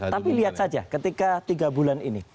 tapi lihat saja ketika tiga bulan ini